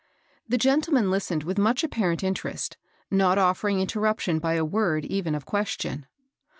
The gentleman listened with much apparent in 17 (267) 258 MABEL BOSS. terest, not offering interraption by a word even of question.